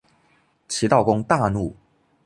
齐悼公大怒。